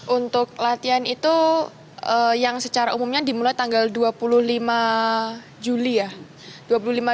untuk latihan itu yang secara umumnya dimulai tanggal dua puluh lima juli ya